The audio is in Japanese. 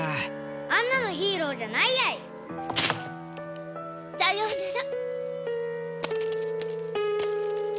あんなのヒーローじゃないやい！さようなら。